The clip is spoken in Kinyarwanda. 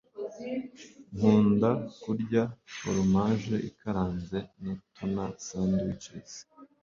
Nkunda kurya foromaje ikaranze na tuna sandwiches.